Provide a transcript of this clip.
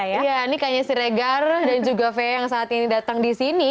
ya ini kayaknya si regar dan juga faye yang saat ini datang di sini